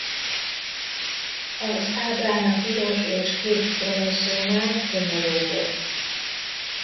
Az ábrán a piros és kék kromoszómák homológok.